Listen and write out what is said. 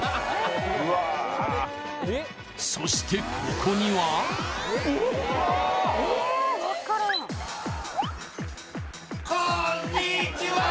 うわそしてここにはこーんにーちはー！